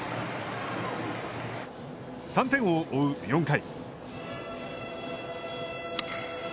３点を追う４回。